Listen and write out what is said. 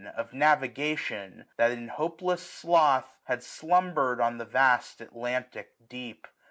Of navigation, that, in hopeless sloth. Had slumber'd on the vast Atlantic deep.